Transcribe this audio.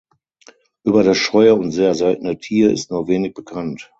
Über das scheue und sehr seltene Tier ist nur wenig bekannt.